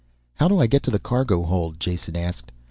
"How do I get to the cargo hold?" Jason asked.